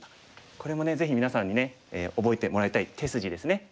これもぜひみなさんにね覚えてもらいたい手筋ですね。